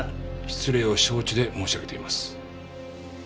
失礼を承知で申し上げています。